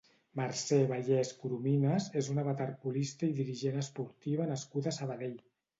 Mercè Vallès Corominas és una waterpolista i dirigent esportiva nascuda a Sabadell.